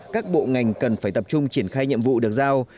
các bộ ngành cần phải tập trung triển khai nhiệm vụ được giao